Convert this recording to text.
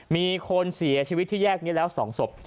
มีคนเสียชีวิตที่แยกนี้แล้ว๒ศพ